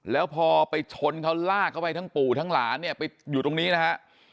แล้วพอไปชนเขาลากเข้าไปทั้งปู่ทั้งหลานเนี่ยไปอยู่ตรงนี้นะฮะ